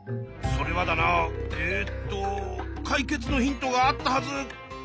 それはだなえっと解決のヒントがあったはず。